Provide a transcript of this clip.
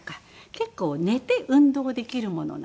結構寝て運動できるものなんですよ。